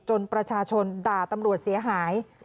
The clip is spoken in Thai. ประชาชนด่าตำรวจเสียหาย